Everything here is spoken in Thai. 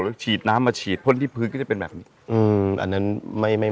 แล้วฉีดน้ำมาฉีดพ่นที่พื้นก็จะเป็นแบบนี้